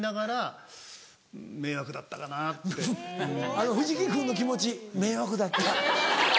あの藤木君の気持ち「迷惑だった」。